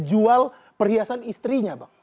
jual perhiasan istrinya bang